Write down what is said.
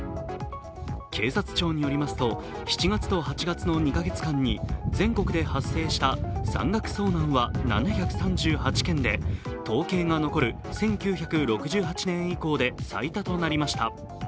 警察庁によりますと７月と８月の２か月間に全国で発生した山岳遭難は７３８件で統計が残る１９６８年以降で、最多となりました。